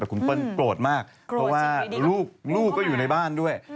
แต่คุณเปิ้ลโกรธมากเพราะว่าลูกก็อยู่ในบ้านด้วย